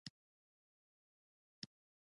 غوږ، غوږ ومه چې غلـــــــی، غلـــی یار غږېده